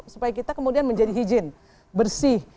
supaya kita kemudian menjadi hijin bersih